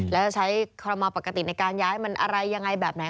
แล้วจะใช้คอรมอลปกติในการย้ายมันอะไรยังไงแบบไหน